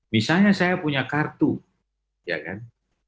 misalnya saya punya kartu ya kan